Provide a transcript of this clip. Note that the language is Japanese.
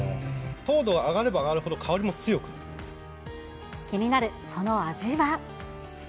糖度が上がれば上がるほど香りも気になるその味は。